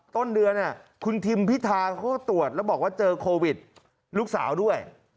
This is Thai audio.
ต้นเดือนคุณทิมพิธาเขาก็ตรวจแล้วบอกว่าเจอโควิดลูกสาวด้วย